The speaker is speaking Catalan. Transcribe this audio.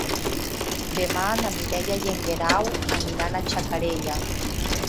Demà na Mireia i en Guerau aniran a Xacarella.